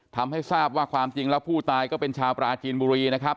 ทำให้ทราบว่าความจริงแล้วผู้ตายก็เป็นชาวปราจีนบุรีนะครับ